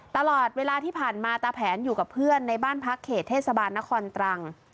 ตลอดเวลาที่ผ่านมาตาแผนอยู่กับเพื่อนในบ้านพักเขตเทศบาลนครตรัง